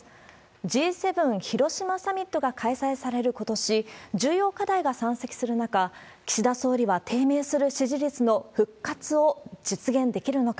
Ｇ７広島サミットが開催されることし、重要課題が山積する中、岸田総理は低迷する支持率の復活を実現できるのか。